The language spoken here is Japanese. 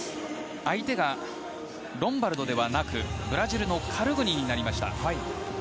相手がロンバルドではなくブラジルのカルグニンになりました。